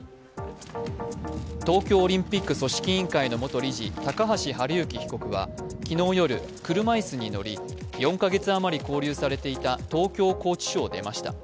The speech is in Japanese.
東京オリンピック組織委員会の元理事、高橋治之被告は昨日夜、車椅子に乗り、４か月あまり勾留されていた東京拘置所を出ました。